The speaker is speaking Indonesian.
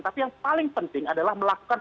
tapi yang paling penting adalah melakukan